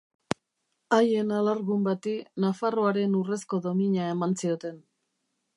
Haien alargun bati Nafarroaren Urrezko Domina eman zioten.